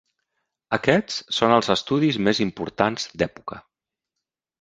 Aquests són els estudis més importants d'època.